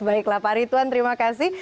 baiklah pak rituan terima kasih